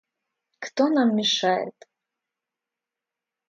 Кто нам мешает?